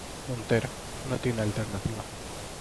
montero, no tiene alternativa.